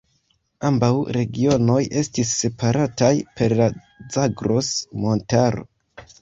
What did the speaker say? Ambaŭ regionoj estis separataj per la Zagros-montaro.